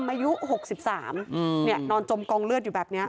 อายุหกสิบสามอืมเนี้ยนอนจมกองเลือดอยู่แบบเนี้ย